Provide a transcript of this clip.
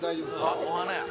あっお花や。